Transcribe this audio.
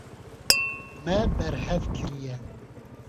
Me berhev kiriye.